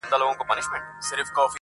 آصل سړی یمه له شماره وځم,